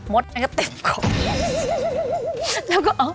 มดก็เต็มของ